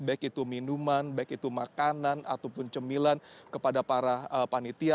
baik itu minuman baik itu makanan ataupun cemilan kepada para panitia